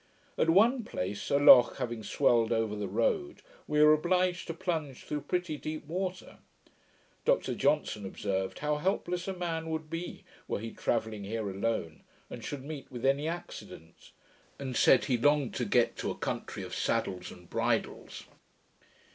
At one place, a loch having swelled over the road, we were obliged to plunge through pretty deep water. Dr Johnson observed, how helpless a man would be, were he travelling here alone, and should meet with any accident; and said, 'he longed to get to a country of saddles and bridles'.